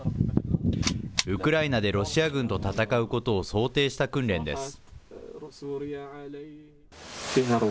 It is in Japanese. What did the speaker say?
ウクライナでロシア軍と戦うことを想定した訓練です。